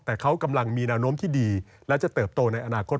แต่เขากำลังมีแนวโน้มที่ดีและจะเติบโตในอนาคต